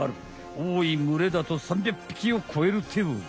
おおい群れだと３００ぴきをこえるってよ。